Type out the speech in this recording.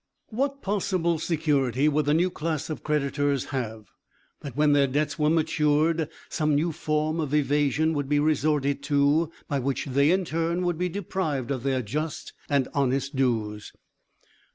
What possible security would the new class of creditors have, that when their debts were matured some new form of evasion would be resorted to by which they in turn would be deprived of their just and honest dues?